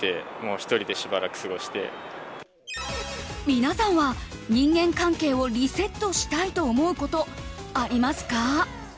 皆さんは、人間関係をリセットしたいと思うことありますか？